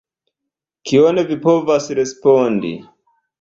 Kion vi povas respondi.